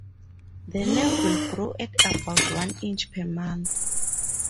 The nerve will grow at about one inch per month.